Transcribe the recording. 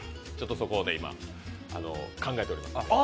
そこを今、考えております。